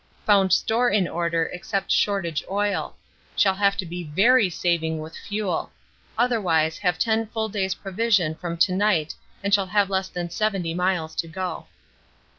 Found store in order except shortage oil_26_ shall have to be very saving with fuel otherwise have ten full days' provision from to night and shall have less than 70 miles to go.